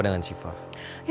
kalo itu si sifah itu